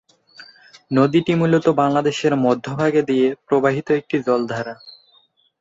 নদীটি মূলত বাংলাদেশের মধ্যভাগে দিয়ে প্রবাহিত একটি জলধারা।